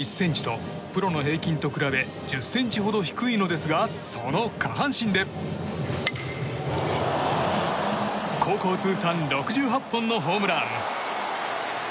身長は１７１ｃｍとプロの平均と比べ１０ｃｍほど低いのですがその下半身で高校通算６８本のホームラン。